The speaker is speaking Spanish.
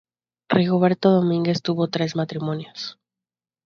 Rigoberto Domínguez tuvo tres matrimonios.